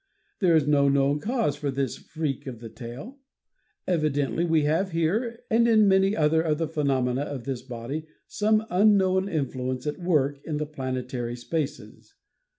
There is no known cause for this freak of the tail. Evidently we have here, and in many other of the phenomena of this body, some unknown influence at work in the planetary spaces.